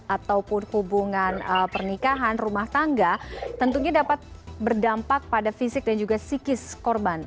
ataupun hubungan pernikahan rumah tangga tentunya dapat berdampak pada fisik dan juga psikis korban